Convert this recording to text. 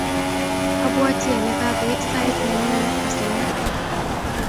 abwatii ale kakoit sait nenyune asoman.